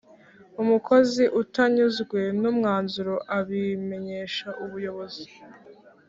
Umukozi utanyuzwe n’umwanzuro abimenyesha ubuyobozi